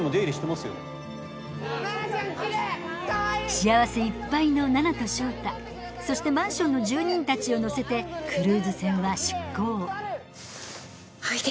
幸せいっぱいの菜奈と翔太そしてマンションの住人たちを乗せてクルーズ船は出航おいで。